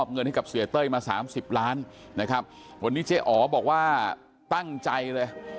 เงินให้กับเสียเต้ยมา๓๐ล้านนะครับวันนี้เจ๊อ๋อบอกว่าตั้งใจเลย